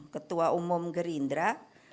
ketua umum gerindra